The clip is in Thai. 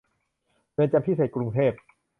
เรือนจำพิเศษกรุงเทพ